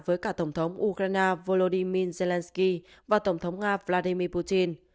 với cả tổng thống ukraine volodymyr zelensky và tổng thống nga vladimir putin